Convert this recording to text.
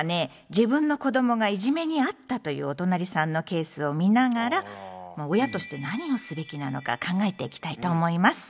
自分の子どもがいじめにあったというおとなりさんのケースを見ながら親として何をすべきなのか考えていきたいと思います。